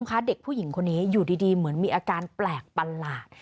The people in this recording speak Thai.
เด็กผู้หญิงคนนี้อยู่ดีเหมือนมีอาการแปลกประหลาด